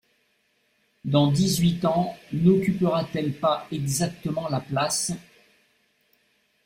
Dans dix-huit ans n’occupera-t-elle pas exactement la place?